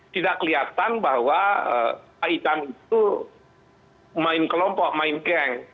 tidak kelihatan bahwa kaitan itu main kelompok main geng